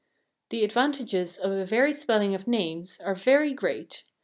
The advantages of a varied spelling of names are very great.